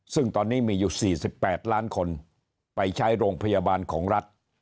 ซึ่งตอนนี้มีอยู่๔๘ล้านคนไปใช้โรงพยาบาลของรัฐ